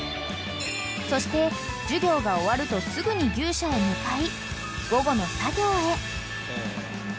［そして授業が終わるとすぐに牛舎へ向かい］